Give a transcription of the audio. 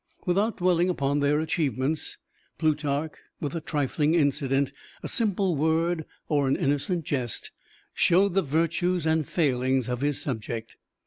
Without dwelling upon their achievements, Plutarch, with a trifling incident, a simple word or an innocent jest, showed the virtues and failings of his subject.